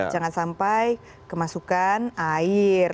jangan sampai kemasukan air